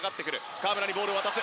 河村にボールを渡す。